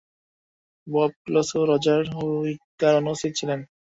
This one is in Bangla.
বব ক্লোসা এবং রজার হুইটেকার অনুপস্থিত ছিলেন।